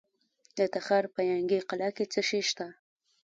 د تخار په ینګي قلعه کې څه شی شته؟